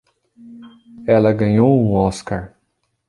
Ela ganhou um Oscar.